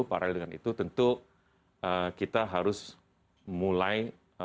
paralel dengan itu tentu kita harus mulai